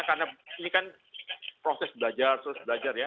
karena ini kan proses belajar terus belajar ya